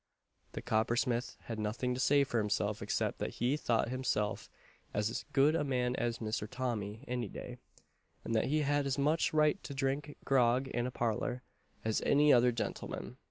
The coppersmith had nothing to say for himself except that he thought himself "as good a man as Mister Tommy any day," and that he had as much right to drink grog in a parlour, as any other gentleman.